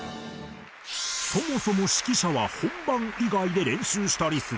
そもそも指揮者は本番以外で練習したりするのか？